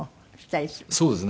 そうですね。